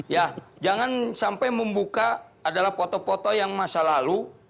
ya jangan sampai membuka adalah foto foto yang masa lalu